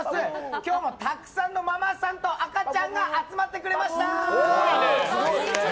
今日もたくさんのママさんと赤ちゃんが集まってくれました！